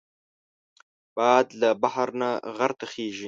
باد له بحر نه غر ته خېژي